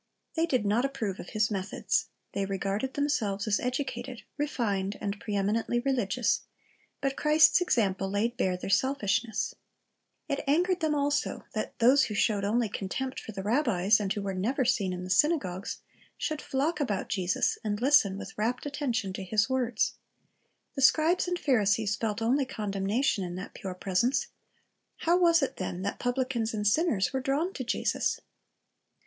They did not approve of His methods. They regarded themselves as educated, refined, and preeminently religious; but Christ's example laid bare their selfishness. Based oil Luke 15 : i io ( 1S.5 ) 1 86 Christ's Object Lessons It angered them also that those who showed only contempt for the rabbis, and who were never seen in the synagogues, shoidd flock about Jesus, and, listen with rapt attention to His words. The scribes and Pharisees felt only condemnation in that pure presence; how was it, then, that publicans and sinners were drawn to Jesus?